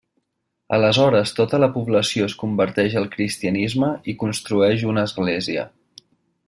Aleshores tota la població es converteix al cristianisme i construeix una església.